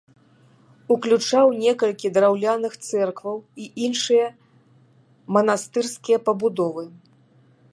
Уключаў некалькі драўляных цэркваў і іншыя манастырскія пабудовы.